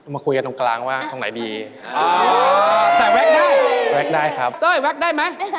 มาคุยกันตรงกลางว่าตรงไหนดี